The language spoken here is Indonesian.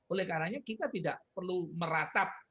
oleh karena kita tidak perlu meratap